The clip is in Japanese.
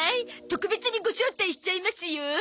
特別にご招待しちゃいますよ。はあ？